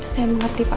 saya mengerti pak